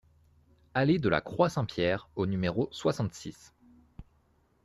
Allée de la Croix Saint-Pierre au numéro soixante-six